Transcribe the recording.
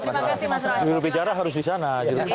bila bicara harus di sana